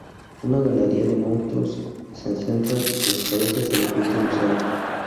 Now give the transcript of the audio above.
Una galería de monstruos se centra en "las cabezas" de los últimos años.